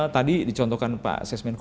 tadi dicontohkan pak sesmenko